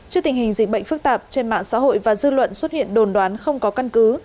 trước tình hình dịch bệnh phức tạp trên mạng xã hội và dư luận xuất hiện đồn đoán không có căn cứ